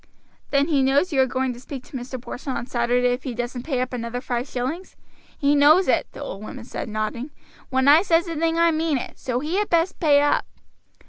"Then he knows you are going to speak to Mr. Porson on Saturday if he doesn't pay up another five shillings?" "He knows it," the old woman said, nodding. "When I says a thing I mean it. So he had best pay up."